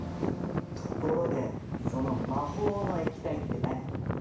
ところでその魔法の液体って何？